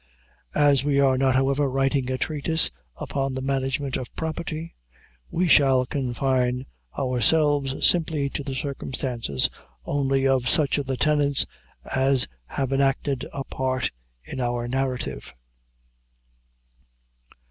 As we are not, however, writing a treatise upon the management of property, we shall confine ourselves simply to the circumstances only of such of the tenants as have enacted a part in our narrative.